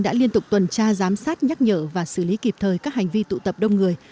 đã liên tục tuần tra giám sát nhắc nhở và xử lý kịp thời các hành vi tụ tập đông người